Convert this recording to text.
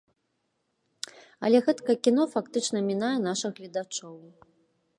Але гэткае кіно фактычна мінае нашых гледачоў.